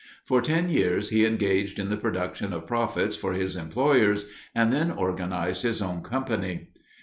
For ten years he engaged in the production of profits for his employers and then organized his own company.